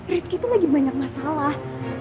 rifki lagi banyak masalah